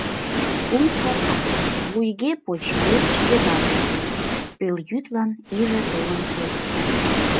Кумшо кас — вуйге-почге шкежат уке, пелйӱдлан иже толын пурыш.